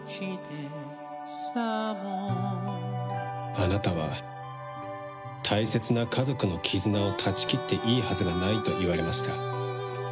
あなたが大切な家族の絆を断ち切っていいはずないと言われました。